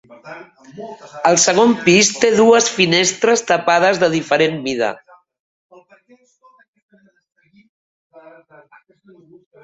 El segon pis té dues finestres tapades de diferent mida.